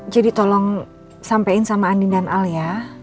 jadi tolong sampein sama andi dan al ya